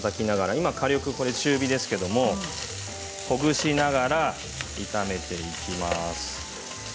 今、火力は中火ですけどほぐしながら炒めていきます。